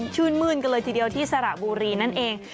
ชื่นมื้นกันเลยทีเดียวที่สระบุรีนั่นเอง